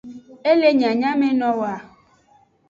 E le nyanyamenowoa.